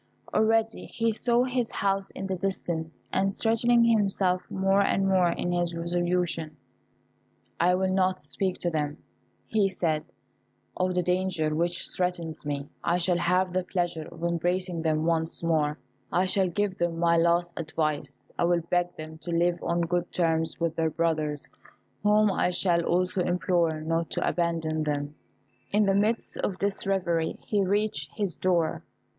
Already he saw his house in the distance, and strengthening himself more and more in his resolution, "I will not speak to them," he said, "of the danger which threatens me: I shall have the pleasure of embracing them once more; I shall give them my last advice; I will beg them to live on good terms with their brothers, whom I shall also implore not to abandon them." In the midst of this reverie, he reached his door.